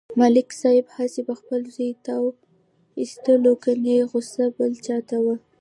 ملک صاحب هسې په خپل زوی تاو و ایستلو کني غوسه بل چاته و.